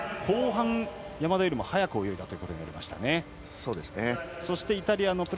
山田よりも速く泳いだことになりましたね。